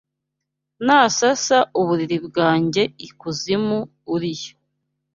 Nasasa uburiri bwanjye ikuzimu uri yo.